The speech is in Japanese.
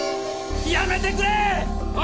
やめてくれ！